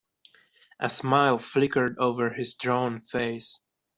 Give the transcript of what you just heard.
A smile flickered over his drawn face.